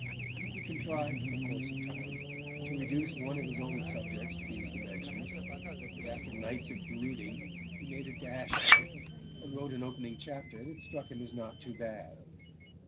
He contrived in the course of time to reduce one of his old subjects to these dimensions, and after nights of brooding he made a dash at it, and wrote an opening chapter that struck him as not too bad.